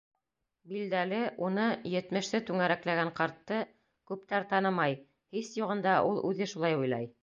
Билдәле, уны, етмеште түңәрәкләгән ҡартты, күптәр танымай, һис юғында, ул үҙе шулай уйлай.